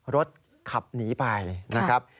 รถขับหนีไปเลยนะครับ